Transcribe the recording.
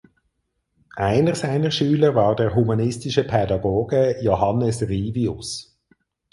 Einer seiner Schüler war der humanistische Pädagoge Johannes Rivius.